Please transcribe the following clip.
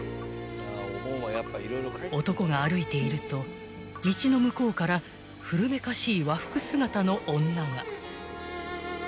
［男が歩いていると道の向こうから古めかしい和服姿の女が］